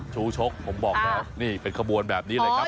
ชู้ชกผมบอกแล้วนี่เป็นขบวนแบบนี้เลยครับ